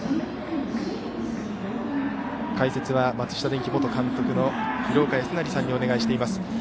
解説は松下電器元監督の廣岡資生さんにお願いしています。